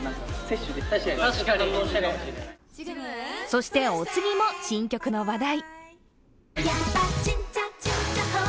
そして、お次も新曲の話題。